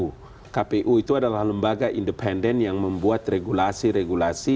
kpu itu adalah lembaga independen yang membuat regulasi regulasi